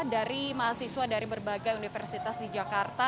dari mahasiswa dari berbagai universitas di jakarta